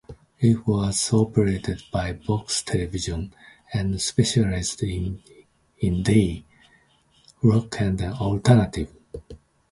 It was operated by Box Television, and specialised in indie, rock and alternative.